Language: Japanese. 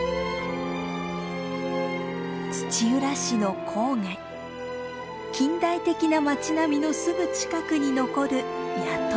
土浦市の郊外近代的な街並みのすぐ近くに残る谷戸。